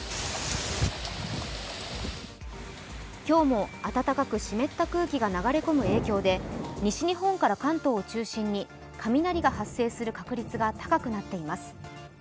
今日も暖かく湿った空気が流れ込む影響で西日本から関東を中心に雷が発生する確率が高くなっています。